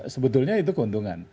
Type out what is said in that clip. sebetulnya itu keuntungan